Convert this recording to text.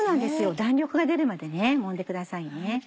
弾力が出るまでもんでくださいね。